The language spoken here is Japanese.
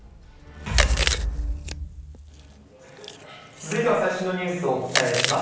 続いては最新のニュースをお伝えします。